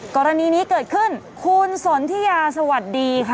กรณีนี้เกิดขึ้นคุณสนทิยาสวัสดีค่ะ